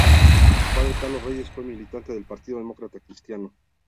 Su padre, Carlos Reyes, fue militante del Partido Demócrata Cristiano.